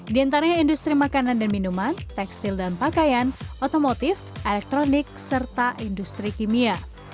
di antaranya industri makanan dan minuman tekstil dan pakaian otomotif elektronik serta industri kimia